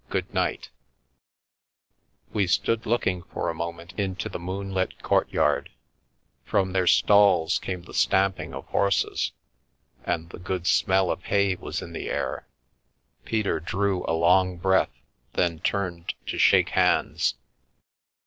Good night" We stood looking for a moment into the moonlit court yard ; from their stalls came the stamping of horses, and the good smell of hay was in the air. Peter drew a long breath, then turned to shake hands.